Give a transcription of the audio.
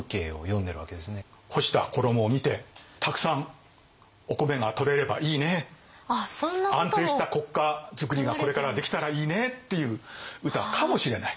干した衣を見てたくさんお米がとれればいいね安定した国家づくりがこれからできたらいいねっていう歌かもしれない。